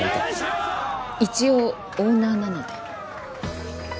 一応オーナーなので。